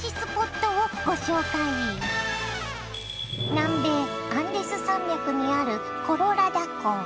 南米アンデス山脈にあるコロラダ湖。